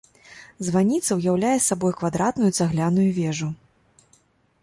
Званіца ўяўляе сабой квадратную цагляную вежу.